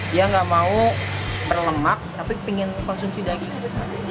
dia gak mau berlemak tapi pengen konsumsi daging